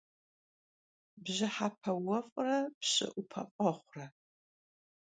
Bjıhepe vuef're pşı 'Upef'eğure.